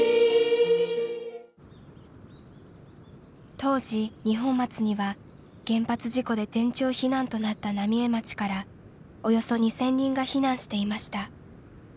当時二本松には原発事故で全町避難となった浪江町からおよそ２，０００人が避難していました。